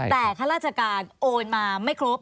แต่ข้าราชการโอนมาไม่ครบ